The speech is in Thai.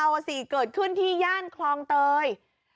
เอาสิเกิดขึ้นที่ย่านคลองเตย